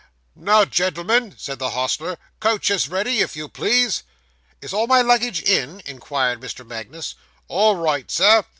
'Now, gen'l'm'n,' said the hostler, 'coach is ready, if you please.' 'Is all my luggage in?' inquired Mr. Magnus. 'All right, sir.